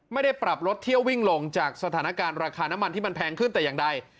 ไม่ได้ปรับลดเที่ยววิ่งลงจากสถานการณ์ราคาน้ำมันที่มันแพงขึ้นแต่อย่างใด